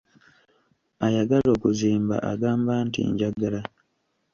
Ayagala okuzimba, agamba nti: "Njagala"